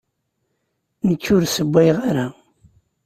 Nekk ur ssewwayeɣ ara.